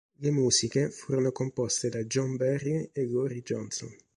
Le musiche furono composte da John Barry e Laurie Johnson.